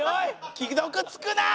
既読つくな！